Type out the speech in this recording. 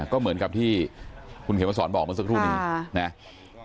ก็เหมือนกับที่คุณเขมสอนบอกเมื่อสักครู่นี้นะ